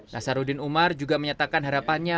nasaruddin umar juga menyatakan harapannya